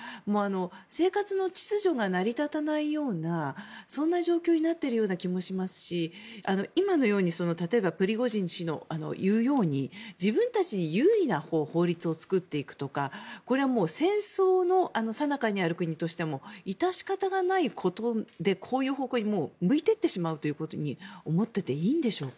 生活の秩序が成り立たないようなそんな状況になっているような気もしますし今のように、例えばプリゴジン氏の言うように自分たちに有利な法律を作っていくとかこれは戦争のさなかにある国としては致し方がないということでこういう方向に向いていってしまうことに思っていていいんでしょうか。